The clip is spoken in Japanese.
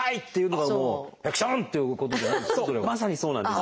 まさにそうなんです。